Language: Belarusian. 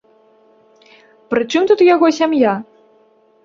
Пры чым тут яго сям'я?